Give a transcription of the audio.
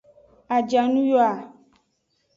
Ajanuyoa.